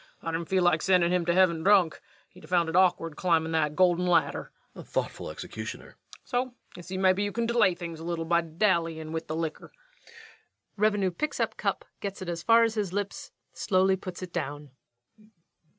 I didn't feel like sendin' him to heaven drunk. He'd a found it awkward climbin' that golden ladder. REVENUE. Thoughtful executioner. LUKE. So you see mebbe you kin delay things a little by dallyin' with the licker. REVENUE. [_Picking up cup, getting it as far as his lips, slowly puts it down.